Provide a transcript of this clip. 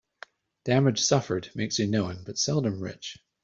Damage suffered makes you knowing, but seldom rich.